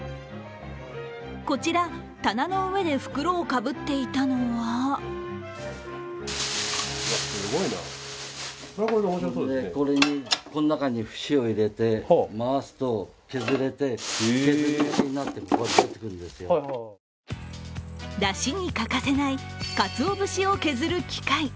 こちら、棚の上で袋をかぶっていたのはだしに欠かせないかつお節を削る機械。